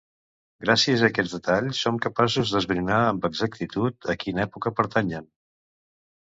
Gràcies a aquests detalls som capaços d'esbrinar amb exactitud a quina època pertanyen.